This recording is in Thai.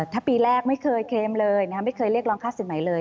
ถ้าปีแรกไม่เคยเคลมเลยไม่เคยเรียกร้องค่าสินใหม่เลย